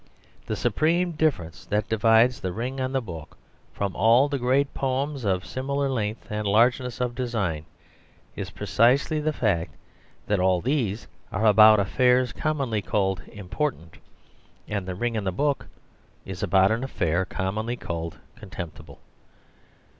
The supreme difference that divides The Ring and the Book from all the great poems of similar length and largeness of design is precisely the fact that all these are about affairs commonly called important, and The Ring and the Book is about an affair commonly called contemptible.